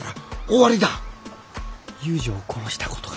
遊女を殺したことが？